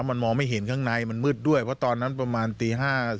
มันมองไม่เห็นข้างในมันมืดด้วยเพราะตอนนั้นประมาณตีห้า